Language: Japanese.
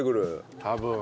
多分。